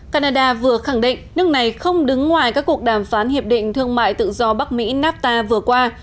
canada vừa khẳng định nước này không đứng ngoài các cuộc đàm phán hiệp định thương mại tự do bắc mỹ nafta vừa qua